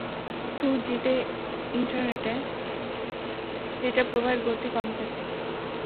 Two জিতে ইন্টারনেটে data প্রবাহের গতি কম থাকে।